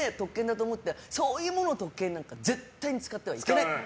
そういうものを特権なんて絶対に使ってはいけない！